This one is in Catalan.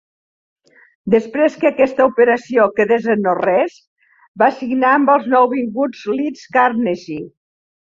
Després que aquesta operació quedés en no res, va signar amb els nouvinguts Leeds Carnegie.